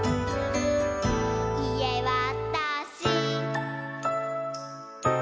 「いえわたし！」